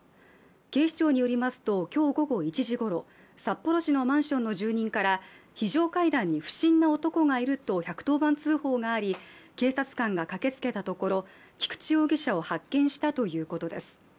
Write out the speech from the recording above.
警視庁によりますと、今日午後１時ごろ札幌市のマンションの住人から非常階段に不審な男がいると１１０番通報があり警察官が駆けつけたところ菊池容疑者を発見したということです。